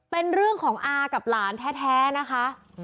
เป็นเรื่องของอากับหลานแท้นะคะ